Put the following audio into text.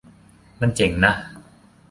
มันเจ๋งเนอะ